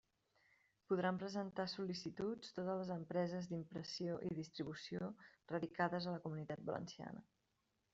Podran presentar sol·licituds totes les empreses d'impressió i distribució radicades a la Comunitat Valenciana.